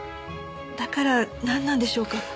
だからなんなんでしょうか？